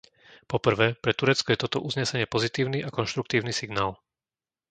Po prvé, pre Turecko je toto uznesenie pozitívny a konštruktívny signál.